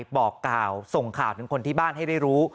บอกกล่าวส่งข่าวถึงคนที่บ้านให้ได้รู้